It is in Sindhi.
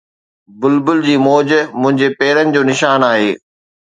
بلبل جي موج منهنجي پيرن جو نشان آهي